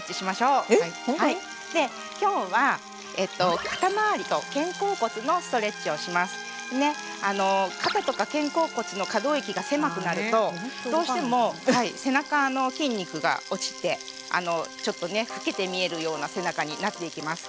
今日は肩とか肩甲骨の可動域が狭くなるとどうしても背中の筋肉が落ちてちょっとね老けて見えるような背中になっていきます。